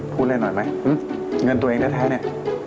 พูดแรงหน่อยไหมเงินตัวเองได้แท้นี่